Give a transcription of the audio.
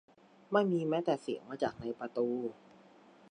ไม่มีแม้แต่เสียงมาจากในประตู